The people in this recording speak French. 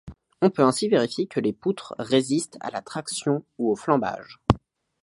On peut ainsi vérifier que les poutres résistent à la traction ou au flambage.